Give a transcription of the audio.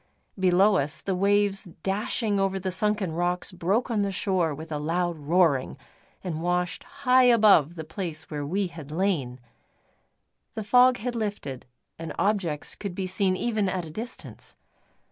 Below us, the waves dashing over the sunken rocks broke on the shore with a loud roaring, and washed high above the place where we had lain. The fog had lifted, and objects could be seen even at a distance.